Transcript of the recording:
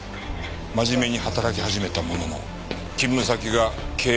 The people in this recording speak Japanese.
真面目に働き始めたものの勤務先が経営不振で倒産。